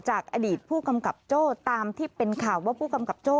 จากอดีตผู้กำกับโจ้ตามที่เป็นข่าวว่าผู้กำกับโจ้